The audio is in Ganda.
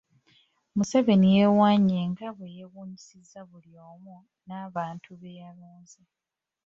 Museveni yeewaanye nga bwe yeewuunyisizza buli omu n’abantu be yalonze.